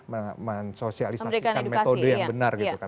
men men sosialisasikan metode yang benar gitu kan